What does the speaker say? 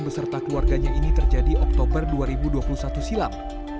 beserta keluarganya ini terjadi oktober dua ribu dua puluh satu silam